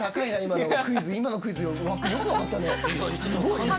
今のクイズよく分かったね。